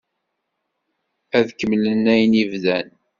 Ad kemmlen ayen i d-bdan?